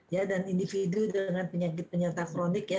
ya dan individu dengan penyakit penyerta kronik ya